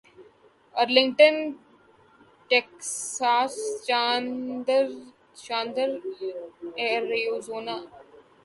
Arlington Texas Chandler Arizona